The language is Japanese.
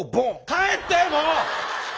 帰ってもう！